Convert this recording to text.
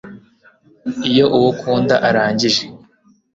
Iyo uwo ukunda arangije